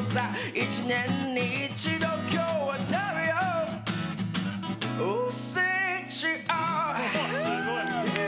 １年に一度今日は食べよう、おせちを。